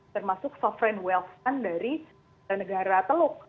termasuk sovereign wealth fund dari negara teluk